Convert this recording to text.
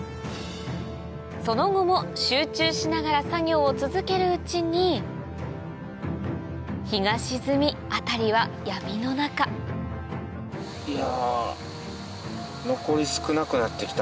その後も集中しながら作業を続けるうちに日が沈み辺りは闇の中いや。